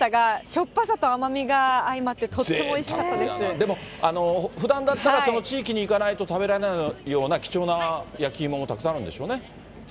でもふだんだったらその地域に行かないと食べられないような貴重な焼き芋もたくさんあるんでしょうね。